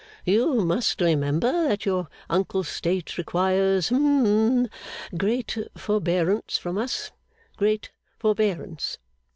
You must remember that your uncle's state requires hum great forbearance from us, great forbearance.